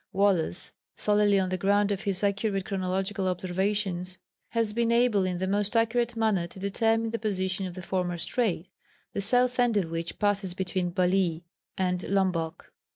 Wallace, solely on the ground of his accurate chorological observations, has been able in the most accurate manner to determine the position of this former strait, the south end of which passes between Balij and Lombok.